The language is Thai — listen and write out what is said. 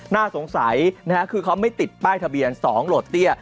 น่าสงสัยนะฮะคือเขาไม่ติดป้ายทะเบียน๒โหลดเตี้ย